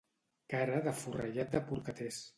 Cara de forrellat de porcaters.